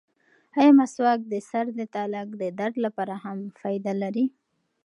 ایا مسواک د سر د تالک د درد لپاره هم فایده لري؟